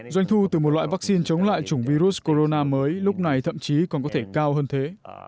doanh thu từ một loại vaccine chống lại chủng virus corona mới lúc này thậm chí còn có thể cao hơn thế